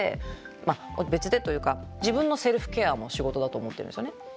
まあ別でというか自分のセルフケアも仕事だと思ってるんですよね。